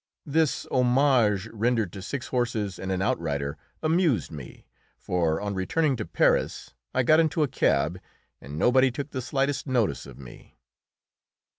This homage rendered to six horses and an outrider amused me, for on returning to Paris I got into a cab, and nobody took the slightest notice of me.